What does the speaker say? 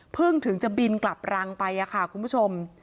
ถึงจะบินกลับรังไปค่ะคุณผู้ชม